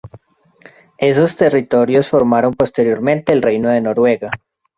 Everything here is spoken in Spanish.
Esos territorios formaron posteriormente el reino de Noruega.